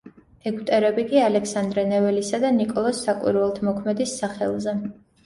ეგვტერები კი ალექსანდრე ნეველისა და ნიკოლოზ საკვირველთმოქმედის სახელზე.